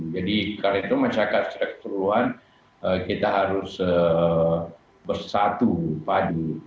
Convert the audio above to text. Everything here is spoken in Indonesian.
jadi kalau itu mencakap secara keseluruhan kita harus bersatu padu